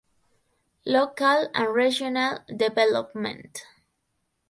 Local and Regional Development.